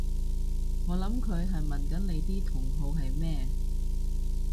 我諗佢係問緊你啲同好係咩？